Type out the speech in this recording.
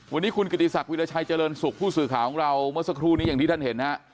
วันนี้คุณกิติศักดิราชัยเจริญสุขผู้สื่อข่าวของเราเมื่อสักครู่นี้อย่างที่ท่านเห็นฮะ